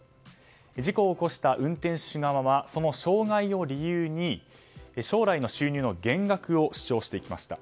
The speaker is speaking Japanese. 事故を起こした運転手側はその障害を理由に将来の収入の減額を主張してきました。